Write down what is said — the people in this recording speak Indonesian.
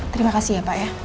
terima kasih ya pak ya